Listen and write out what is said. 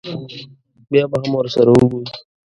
بیا به هم ورسره وګوري.